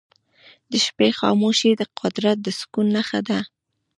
د شپې خاموشي د قدرت د سکون نښه ده.